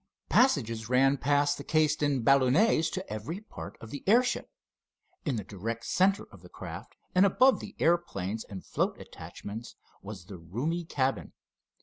Passages ran past the cased in balloonets to every part of the airship. In the direct center of the craft and above the airplanes and float attachments was the roomy cabin.